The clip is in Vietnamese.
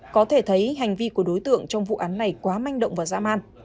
có thể thấy hành vi của đối tượng trong vụ án này quá manh động và dã man